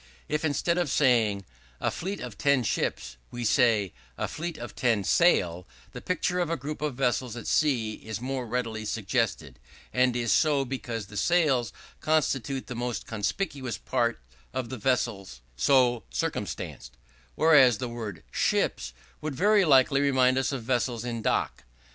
If, instead of saying "a fleet of ten ships," we say "a fleet of ten sail," the picture of a group of vessels at sea is more readily suggested; and is so because the sails constitute the most conspicuous parts of vessels so circumstanced: whereas the word ships would very likely remind us of vessels in dock.